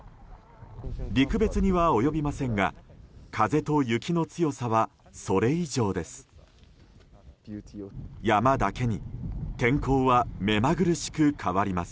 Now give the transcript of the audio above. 陸別には及びませんが風と雪の強さはそれ以上です。